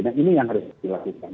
nah ini yang harus dilakukan